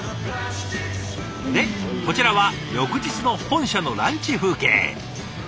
でこちらは翌日の本社のランチ風景。